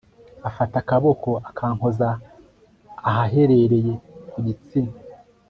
afata akaboko akankoza ahaherereye ku gitsina